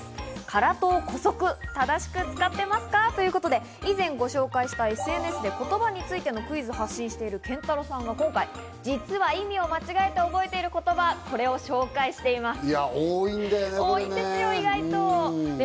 辛党、姑息、正しく使ってますか？ということで、以前ご紹介したＳＮＳで言葉についてのクイズを発信している、けんたろさんが今回、実は意味を間違えて覚えてる言葉、これを紹介しています。